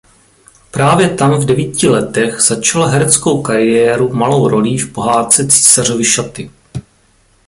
Právě tam v devíti letech začala hereckou kariéru malou rolí v pohádce Císařovy šaty.